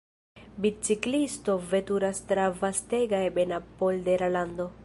Biciklisto veturas tra vastega ebena poldera lando.